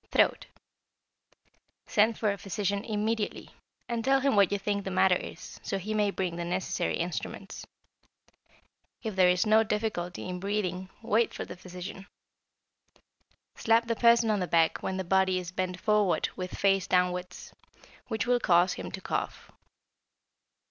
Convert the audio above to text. =Throat.= Send for a physician immediately, and tell him what you think the matter is, so he may bring the necessary instruments. If there is no difficulty in breathing, wait for the physician. Slap the person on the back when the body is bent forward with face downwards, which will cause him to cough.